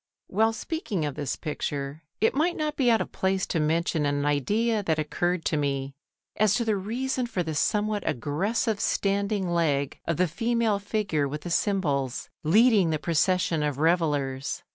While speaking of this picture, it might not be out of place to mention an idea that occurred to me as to the reason for the somewhat aggressive standing leg of the female figure with the cymbals leading the procession of revellers.